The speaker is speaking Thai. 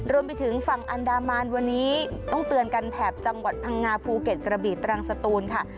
รวมไปถึงฝั่งอันดามันวันนี้ต้องเตือนกันแถบจังหวัดพังงาภูเก็ตกระบีตรังสตูนค่ะ